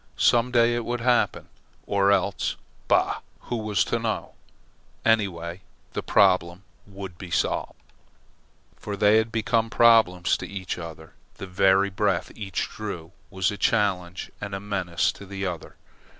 Some day it would happen, or else bah! who was to know? Anyway, the problem would be solved. For they had become problems to each other. The very breath each drew was a challenge and a menace to the other.